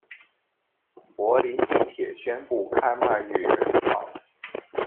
柏林地鐵宣布開賣女人票